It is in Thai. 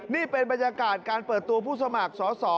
นี่เป็นบรรยากาศการเปิดตัวผู้สมัครสอสอ